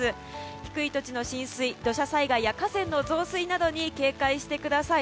低い土地の浸水土砂災害や河川の増水などに警戒してください。